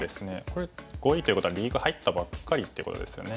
これ５位ということはリーグ入ったばっかりってことですよね。